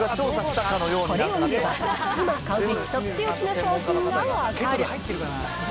これを見れば、今、買うべきとっておきの商品が分かる。